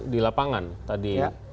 di lapangan tadi